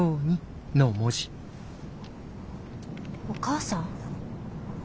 お母さん？